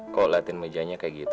kok latihan mejanya kayak gitu